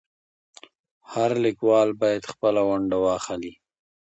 هر لیکوال باید خپله ونډه واخلي.